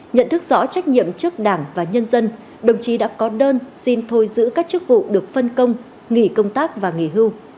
nhận thức rõ trách nhiệm trước đảng và nhân dân đồng chí đã có đơn xin thôi giữ các chức vụ được phân công nghỉ công tác và nghỉ hưu